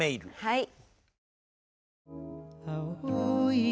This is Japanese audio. はい。